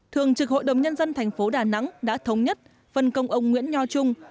thường trực hội đồng nhân dân tp đà nẵng đã thống nhất phần công ông nguyễn nho trung